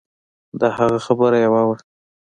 د هغه خبره يوه وه.